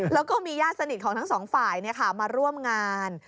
แล้วก็มีญาติสนิทของทั้งสองฝ่ายมาร่วมงาน